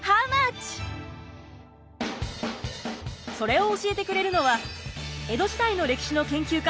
それを教えてくれるのは江戸時代の歴史の研究家